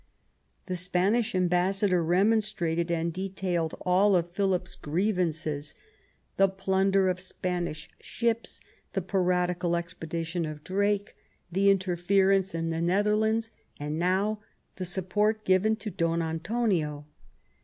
The Spanish ambassador remonstrated and detailed all Philip's grievances — the plunder of Spanish ships, the piratical expedition of Drake, the interference in the Nether lands, and now, the support given to Don Antonio.